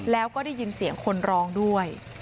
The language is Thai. แล้วก็ได้ยินเสียงคนร้องด้วย